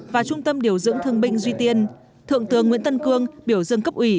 và trung tâm điều dưỡng thương binh duy tiên thượng tướng nguyễn tân cương biểu dương cấp ủy